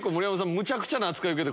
むちゃくちゃな扱い受けて。